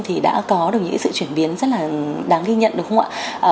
thì đã có được những sự chuyển biến rất là đáng ghi nhận đúng không ạ